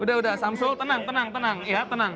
udah udah samsul tenang tenang